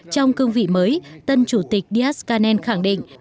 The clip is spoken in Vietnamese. trong cương vị mới tân chủ tịch díaz canel khẳng định